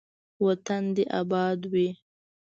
وطن دې اباد وي.